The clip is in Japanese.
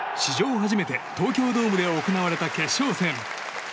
初めて東京ドームで行われた決勝戦。